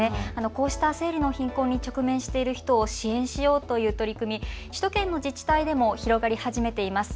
こうした生理の貧困に直面している人を支援しようという取り組み、首都圏の自治体でも広がり始めています。